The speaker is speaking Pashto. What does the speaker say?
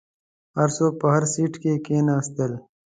هر څوک په هر سیټ کې کیناستل.